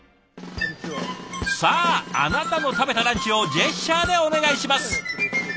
さああなたの食べたランチをジェスチャーでお願いします。